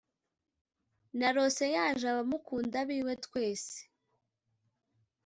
Narose yaje abamukunda b’iwe twese